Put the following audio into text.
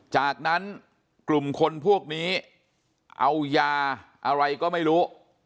จากนั้นกลุ่มคนพวกนี้เอายาอะไรก็ไม่รู้